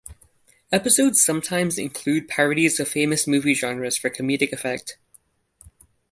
Episodes sometimes include parodies of famous movie genres for comedic effect.